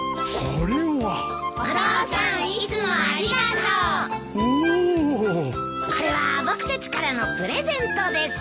これは僕たちからのプレゼントです。